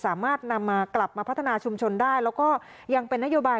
สามารถนำมากลับมาพัฒนาชุมชนได้แล้วก็ยังเป็นนโยบาย